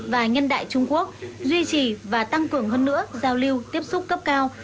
và nhân đại trung quốc duy trì và tăng cường hơn nữa giao lưu tiếp xúc cấp cao